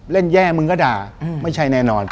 เล่นแย่มึงก็ด่าไม่ใช่แน่นอน